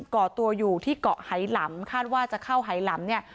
เกาะตัวอยู่ที่เกาะไหลำคาดว่าจะเข้าไหลำเนี่ย